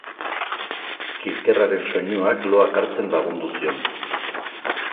Kilkerraren soinuak loak hartzen lagundu zion.